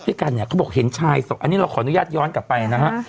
ด้วยกันเนี่ยเขาบอกเห็นชายศพอันนี้เราขออนุญาตย้อนกลับไปนะฮะ